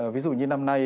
ví dụ như năm nay